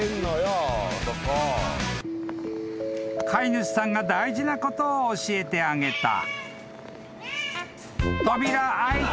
［飼い主さんが大事なことを教えてあげた］